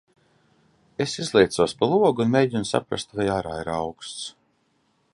Es izliecos pa logu, un mēģinu saprast, vai ārā ir auksts.